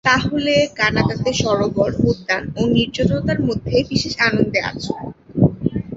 তাহলে কানাডাতে সরোবর, উদ্যান ও নির্জনতার মধ্যে বিশেষ আনন্দে আছ।